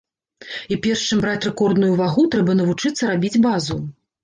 І перш чым браць рэкордную вагу, трэба навучыцца рабіць базу.